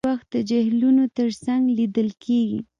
هیلۍ ډېر وخت د جهیلونو تر څنګ لیدل کېږي